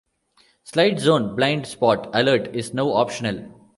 Side Zone Blind Spot Alert is now optional.